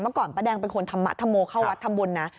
เมื่อก่อนป้าแดงเป็นคนทำโมเข้าวัดทำบุญนะ